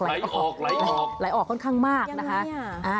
ละลายออกค่อนข้างมากนะคะ